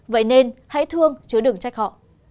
vậy nên hãy thương chứ đừng trách họ